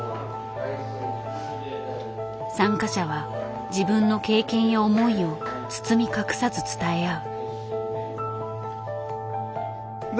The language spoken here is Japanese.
参加者は自分の経験や思いを包み隠さず伝え合う。